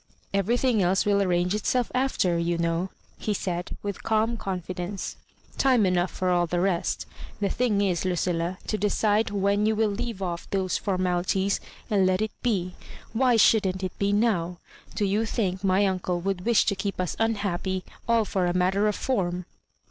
"Everything else vrill arrange itself after, you know," he said, with calm con fidence; "time enough for all the rest. The thing is, Ludlla, to decide when you will leave off those formalities, and let it be. Why shouldn't it be now? Do you think my imcle would wish to keep us unhappy all for a matter of form?"